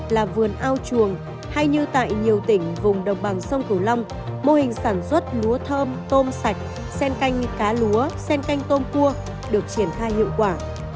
là vườn ao chuồng hay như tại nhiều tỉnh vùng đồng bằng sông cửu long mô hình sản xuất lúa thơm tôm sạch sen canh cá lúa sen canh tôm cua được triển khai hiệu quả